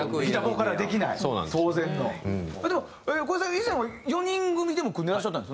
以前は４人組でも組んでいらっしゃったんですよね。